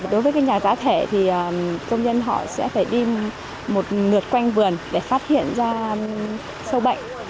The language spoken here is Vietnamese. đối với nhà giá thẻ thì công nhân họ sẽ phải đi một lượt quanh vườn để phát hiện ra sâu bệnh